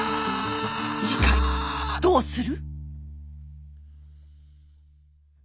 次回どうする？